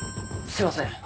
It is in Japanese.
すいません。